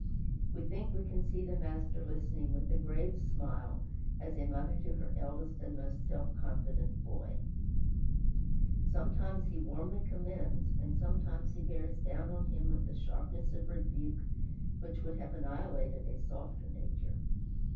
We think we can see the Master listening with a grave smile, as a mother to her eldest and most self confident boy. Sometimes he warmly commends, and sometimes he bears down on him with a sharpness of rebuke which would have annihilated a softer nature.